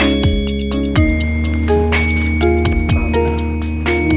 aku pun gak usah ngobrol